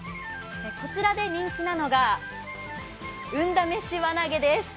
こちらで人気なのが運試し輪投げです。